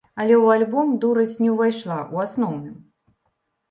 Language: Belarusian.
Але ў альбом дурасць не ўвайшла ў асноўным.